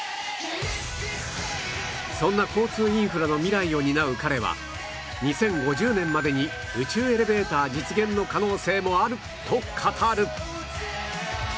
そんな交通インフラの未来を担う彼は２０５０年までに宇宙エレベーター実現の可能性もあると語る